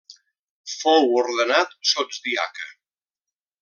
Fou ordenat sotsdiaca.